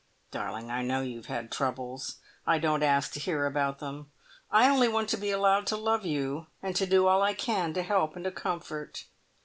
Darling! I know you have had troubles. I don't ask to hear about them. I only want to be allowed to love you, and to do all I can to help and to comfort.